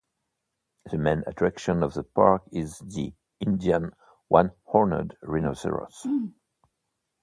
The main attraction of the park is the Indian one-horned rhinoceros.